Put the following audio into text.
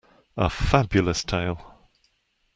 A Fabulous tale.